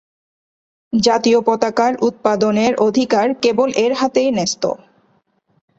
জাতীয় পতাকার উৎপাদনের অধিকার কেবল -এর হাতে ন্যস্ত।